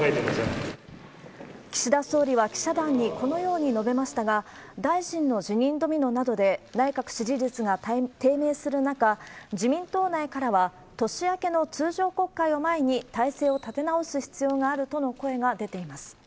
岸田総理は記者団にこのように述べましたが、大臣の辞任ドミノなどで、内閣支持率が低迷する中、自民党内からは、年明けの通常国会を前に、体制を立て直す必要があるとの声が出ています。